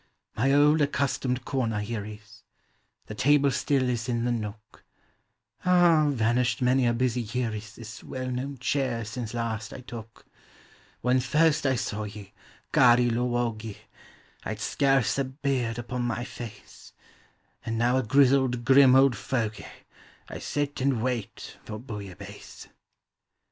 My old accustomed corner here is— The table still is in the nook; Ah! vanished many a busy year i ■ This well known chair since last I took. When first I saw ye, Cari luoyhi, I 'd scarce a beard upon my face, And now a grizzled, grim old fogy, I sit and wait for Bouillabaisse.